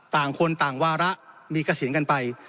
ต่างคนต่างวาระมีเกษียณกันไป